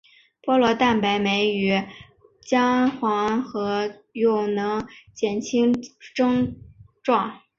菠萝蛋白酶与姜黄合用能减轻症状。